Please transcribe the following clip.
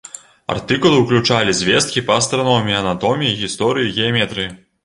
Артыкулы ўключалі звесткі па астраноміі, анатоміі, гісторыі, геаметрыі.